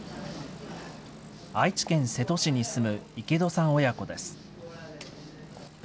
愛知県瀬戸市に住む池戸さん親子です。